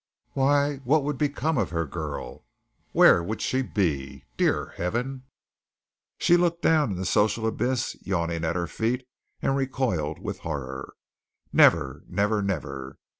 Why, what would become of her girl? Where would she be? Dear Heaven! She looked down in the social abyss yawning at her feet and recoiled with horror. Never, never, never!